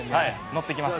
のってきます。